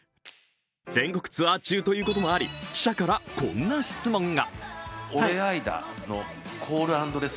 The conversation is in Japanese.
全国ツアー中ということもあり、記者からこんな質問が。